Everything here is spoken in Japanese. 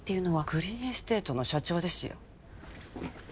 グリーンエステートの社長ですよ